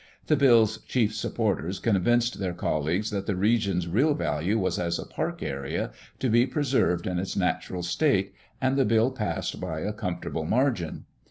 The bill's chief supporters convinced their colleagues that the region's real value was as a park area, to be preserved in its natural state, and the bill passed by a comfortable margin.